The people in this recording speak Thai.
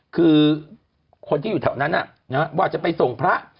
คือคนที่อยู่แถวนั้นว่าจะไปส่งพระ